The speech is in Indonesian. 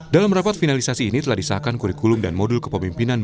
dalam rapat finalisasi ini telah disahkan kurikulum dan modul kepemimpinan